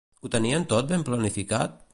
Ho tenien tot ben planificat?